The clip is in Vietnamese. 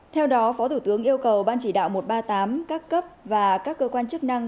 theo đó phó thủ tướng yêu cầu ban chỉ đạo một trăm ba mươi tám các cấp và các cơ quan chức năng